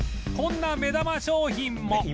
こんな目玉商品も！